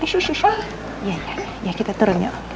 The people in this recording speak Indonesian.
iya kita turun yuk